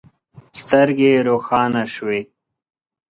سترګې يې روښانه شوې.